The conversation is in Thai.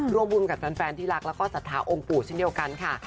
รวมบุญกับแฟนที่รักแล้วก็สัตว์ท้าองค์ปูที่เดียวกันค่ะ